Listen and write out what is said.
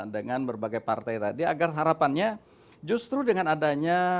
dengan berbagai partai tadi agar harapannya justru dengan ada yang berpikir